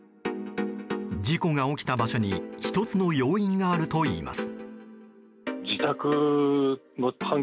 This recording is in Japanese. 事故が起きた場所に１つの要因があるといいます。